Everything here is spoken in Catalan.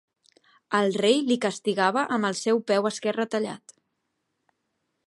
El rei li castigava amb el seu peu esquerre tallat.